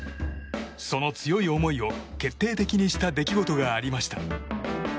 その強い思いを決定的にした出来事がありました。